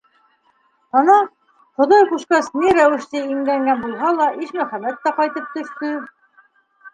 Ана, Хоҙай ҡушҡас, ни рәүешле имгәнгән булһа ла Ишмөхәмәт тә ҡайтып төштө.